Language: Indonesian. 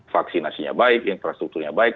vaksinasinya baik infrastrukturnya baik